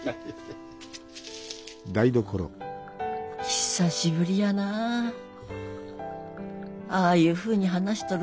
久しぶりやなあああいうふうに話しとる